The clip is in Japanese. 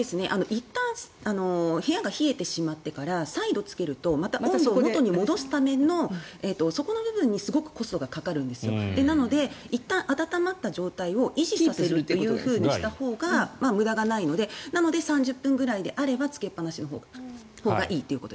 いったん部屋が冷えてしまってから再度つけるとまた元に戻すためのそこの部分にすごくコストがかかるので暖まった状態を維持するほうが無駄がないのでなので３０分くらいであればつけっぱなしのほうがいいと。